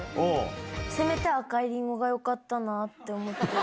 せめて赤いりんごがよかったなと思って。